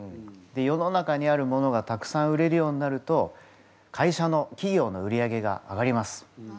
世の中にあるものがたくさん売れるようになると会社の企業の売り上げが上がります。